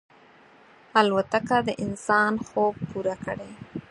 الوتکه د انسان خوب پوره کړی.